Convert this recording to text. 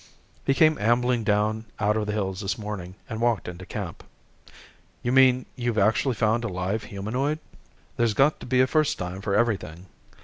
"He came ambling down out of the hills this morning and walked into camp." "You mean you've actually found a live humanoid?" "There's got to be a first time for everything."